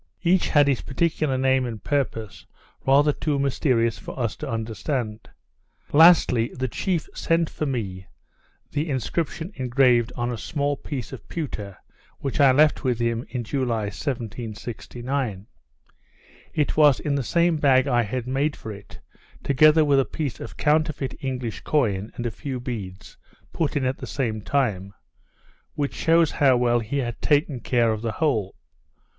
Each had its particular name and purpose, rather too mysterious for us to understand. Lastly, the chief sent to me the inscription engraved on a small piece of pewter, which I left with him in July 1769. It was in the same bag I had made for it, together with a piece of counterfeit English coin, and a few beads, put in at the same time; which shews how well he had taken care of the whole.